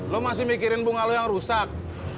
lo masih mikirin bunga lo yang rusak